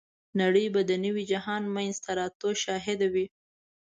نړۍ به د نوي جهان منځته راتلو شاهده وي.